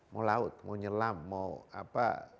mau laut mau nyelam mau apa